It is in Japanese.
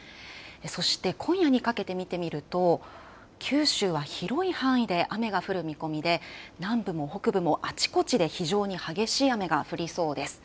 そして今夜にかけて見てみると九州は広い範囲で雨が降る見込みで南部も北部もあちこちで非常に激しい雨が降りそうです。